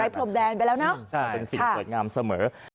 เป็นสิ่งสวยงามเสมอ